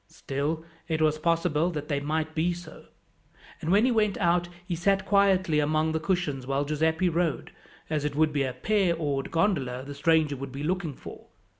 Still, it was possible that they might be so; and when he went out he sat quietly among the cushions while Giuseppi rowed, as it would be a pair oared gondola the stranger would be looking for.